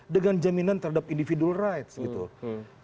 dengan jaminan terhadap individual rights